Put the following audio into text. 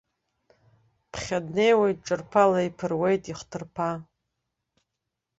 Ԥхьа днеиуеит ҽырԥала, иԥыруеит ихҭарԥа.